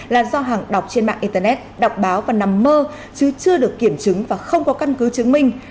là do hàng đọc trên mạng internet đọc báo và nằm mơ chứ chưa được kiểm chứng và không có căn cứ chứng minh